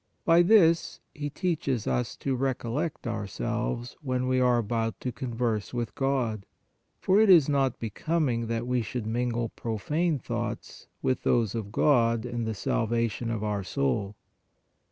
By this He teaches us to recollect ourselves when we are about to converse with God, for it is not becom ing that we should mingle profane thoughts with those of God and the salvation of our soul.